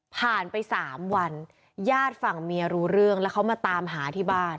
ผ่านไป๓วันญาติฝั่งเมียรู้เรื่องแล้วเขามาตามหาที่บ้าน